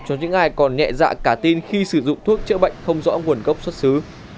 cho những ai còn nhẹ dạ cả tin khi sử dụng thuốc chữa bệnh không rõ nguồn gốc xuất xứ